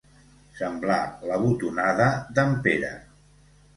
Semblar la botonada d'en Pere.